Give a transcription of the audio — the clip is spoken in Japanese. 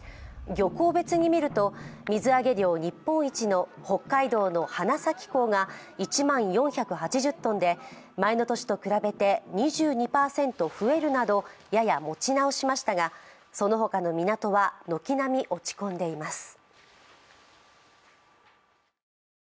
漁港別に見ると、水揚げ量日本一の北海道の花咲港が１万４８０トンで前の年と比べて２２％増えるなどやや持ち直しましたがその他の港は軒並み落ち込んでいます。